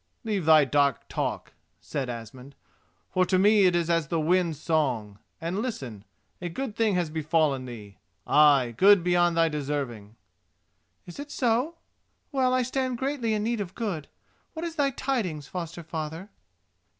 "Leave thy dark talk," said Asmund, "for to me it is as the wind's song, and listen: a good thing has befallen thee—ay, good beyond thy deserving." "Is it so? Well, I stand greatly in need of good. What is thy tidings, foster father?"